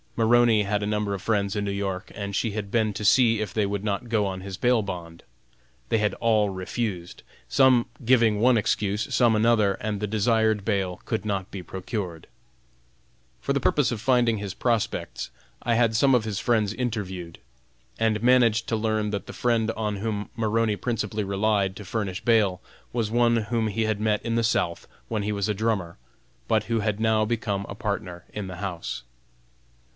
Maroney had a number of friends in New York, and she had been to see if they would not go on his bail bond. They had all refused, some giving one excuse, some another, and the desired bail could not be procured. For the purpose of finding his prospects, I had some of his friends interviewed, and managed to learn that the friend on whom Maroney principally relied to furnish bail, was one whom he had met in the South when he was a drummer, but who had now become a partner in the house.